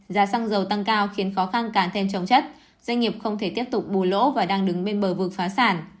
giá xăng dầu tăng cao khiến khó khăn càng thêm trồng chất doanh nghiệp không thể tiếp tục bù lỗ và đang đứng bên bờ vực phá sản